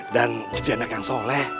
dan jadi anak yang soleh